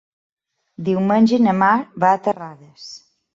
Diumenge na Mar va a Terrades.